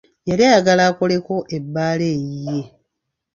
Yali ayagala akoleko ebbaala eyiye.